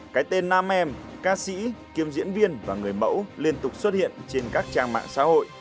cái tên nam em ca sĩ kiêm diễn viên và người mẫu liên tục xuất hiện trên các trang mạng xã hội